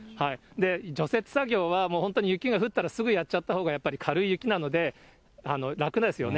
除雪作業はもう本当に雪が降ったらすぐやっちゃったほうが軽い雪なので、楽ですよね。